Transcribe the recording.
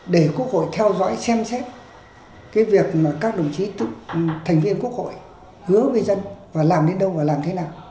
để quốc hội theo dõi xem xét cái việc mà các đồng chí thành viên quốc hội hứa với dân và làm đến đâu và làm thế nào